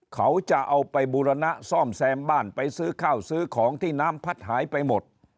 เขาจะเอาไปบูรณะซ่อมแซมบ้านไปซื้อข้าวซื้อของที่น้ำพัดหายไปหมด